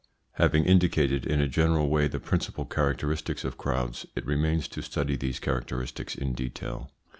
Having indicated in a general way the principal characteristics of crowds, it remains to study these characteristics in detail.